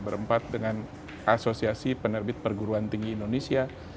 berempat dengan asosiasi penerbit perguruan tinggi indonesia